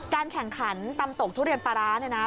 การแข่งขันตำตกทุเรียนปลาร้า